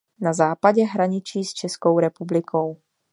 Na západě hraničí s Českou republikou.